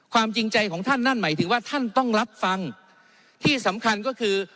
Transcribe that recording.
จริงใจของท่านนั่นหมายถึงว่าท่านต้องรับฟังที่สำคัญก็คือ